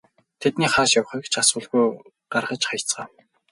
Тэдний хааш явахыг ч асуулгүй гаргаж хаяцгаав.